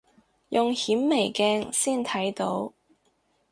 用顯微鏡先睇到